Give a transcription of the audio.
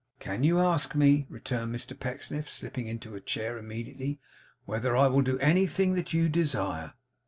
'Can you ask me,' returned Mr Pecksniff, slipping into a chair immediately, 'whether I will do anything that you desire?